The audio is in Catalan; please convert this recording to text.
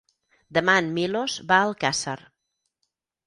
Demà en Milos va a Alcàsser.